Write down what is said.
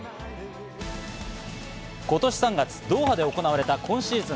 今年３月ドーハで行われた今シーズン